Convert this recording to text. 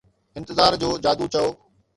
انتظار جو جادو چئو